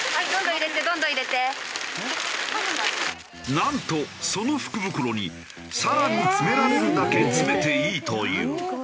なんとその福袋に更に詰められるだけ詰めていいという。